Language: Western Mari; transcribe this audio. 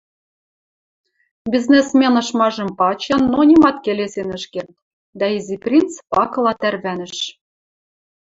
Бизнесмен ышмажым пачы, но нимат келесен ӹш керд, дӓ Изи принц пакыла тӓрвӓнӹш.